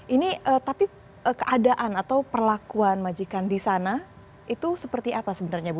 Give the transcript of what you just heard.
ini tapi keadaan atau perlakuan majikan di sana itu seperti apa sebenarnya bu